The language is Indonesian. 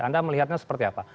anda melihatnya seperti apa